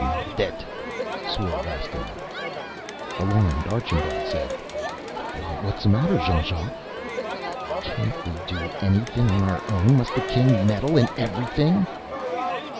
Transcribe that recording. "Me'dt!" swore Rastignac. Alarmed, Archambaud said, "What's the matter, Jean Jacques?" "Can't we do anything on our own? Must the King meddle in everything?"